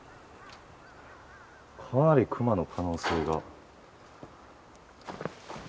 かなりクマの可能性が。